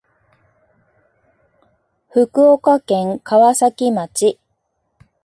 福岡県川崎町